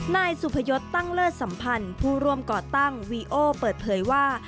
นายสุพยศตั้งเลิศสัมพันธ์ผู้ร่วมก่อตั้งวีโอเปิดเผยว่า